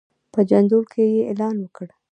په جندول کې یې اعلان وکړ.